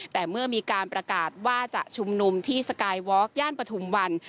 แต่เมื่อมีการประกาศว่าจะชุมนุมที่สกายวอล์กย่านปฐุมวัน